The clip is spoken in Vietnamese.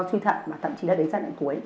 suy thận mà thậm chí là đến giai đoạn cuối